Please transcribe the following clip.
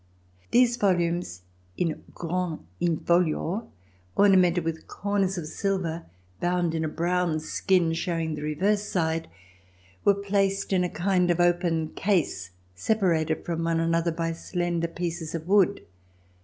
These volumes in grand in folio, ornamented with corners of silver, bound in a brown skin showing the reverse side, were placed in a kind of open case separated from one another by slender pieces of wood.